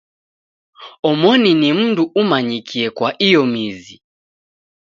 Omoni ni mndu umanyikie kwa iyo mizi.